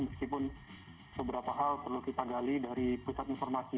meskipun beberapa hal perlu kita gali dari pusat informasi